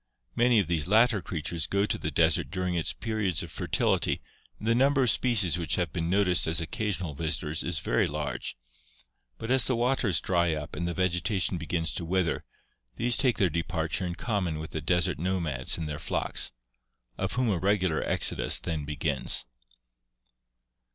Many of these latter creatures go to the desert during its periods of fertility and the numbers of species which have been noticed as occasional visitors is very large; but as the waters dry up and the vegetation begins to wither, these take their departure in common with the desert nomads and their flocks; of whom a regular exodus then begins (Madden).